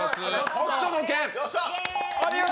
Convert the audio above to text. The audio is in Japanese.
「北斗の拳」。